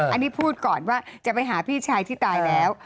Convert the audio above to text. อันนี้พูดก่อนว่าจะไปหาพี่ชายที่ตายแล้ว